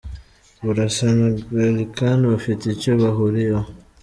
Burasa na Gallican bafite icyo bahuriyeho.